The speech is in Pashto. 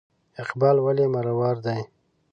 اقبال ولې مرور دی ؟